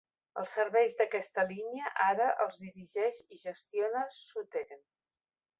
Els serveis d'aquesta línia ara els dirigeix i gestiona Southern.